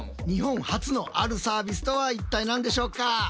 日本初のあるサービスとは一体何でしょうか？